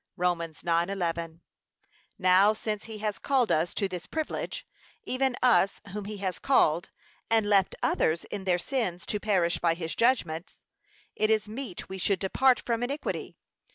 (Rom. 9:11) Now since he has called us to this privilege even us whom he has called and left others in their sins to perish by his judgments, it is meet we should depart from iniquity.